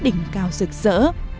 đỉnh cao rực rỡ